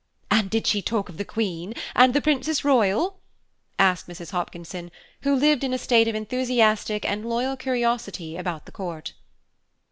"And did she talk of the Queen and the Princess Royal?" asked Mrs. Hopkinson, who lived in a state of enthusiastic and loyal curiosity about the Court.